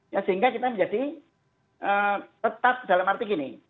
ya sehingga kita menjadi tetap dalam arti gini